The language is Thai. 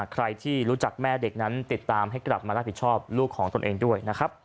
ใครที่รู้จักแม่เด็กนั้นติดตามให้กลับมารับผิดชอบลูกของตนเองด้วยนะครับ